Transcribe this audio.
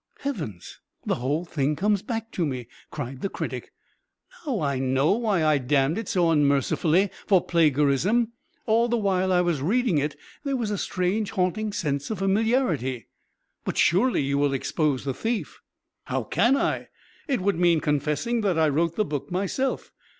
"Heavens! The whole thing comes back to me," cried the critic. "Now I know why I damned it so unmercifully for plagiarism! All the while I was reading it, there was a strange, haunting sense of familiarity." "But, surely you will expose the thief!" "How can I? It would mean confessing that I wrote the book myself.